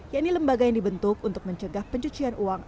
yakni lembaga yang dibentuk untuk mencegah pencucian uang antar negara